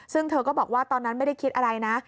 ซึ่งเธอก็บอกว่าตอนนั้นไม่ได้คิดอะไรนะ